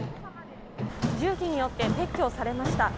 重機によって撤去されました。